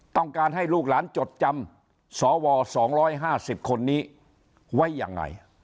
ต้องการให้ลูกหลานจดจำสว๒๕๐คนนี้ไว้ยังไง